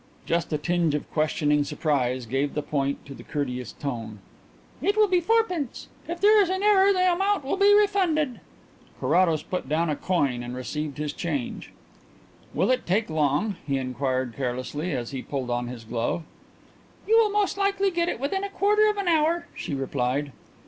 Just a tinge of questioning surprise gave point to the courteous tone. "It will be fourpence. If there is an error the amount will be refunded." Carrados put down a coin and received his change. "Will it take long?" he inquired carelessly, as he pulled on his glove. "You will most likely get it within a quarter of an hour," she replied.